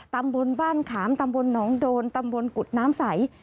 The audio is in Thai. ตำบลบ้านขามตำบลหนองโดนตำบลกุฎน้ำใส